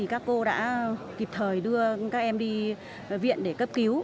các cô đã kịp thời đưa các em đi viện để cấp cứu